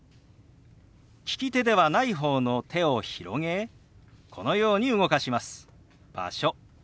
利き手ではない方の手を広げこのように動かします。